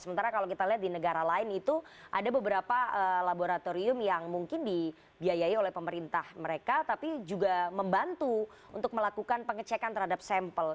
sementara kalau kita lihat di negara lain itu ada beberapa laboratorium yang mungkin dibiayai oleh pemerintah mereka tapi juga membantu untuk melakukan pengecekan terhadap sampel